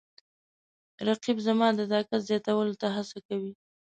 رقیب زما د طاقت زیاتولو ته هڅوي